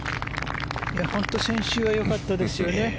本当に先週は良かったですよね。